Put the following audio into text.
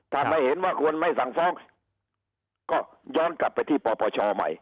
ถ้าไม่เห็นว่าควรไม่สั่งฟ้องก็ย้อนกลับไปที่ปปชใหม่